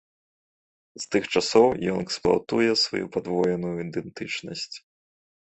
З тых часоў ён эксплуатуе сваю падвоеную ідэнтычнасць.